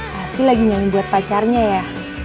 pasti lagi nyanyi buat pacarnya ya